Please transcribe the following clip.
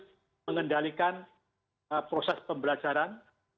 dan juga mengendalikan proses pembelajaran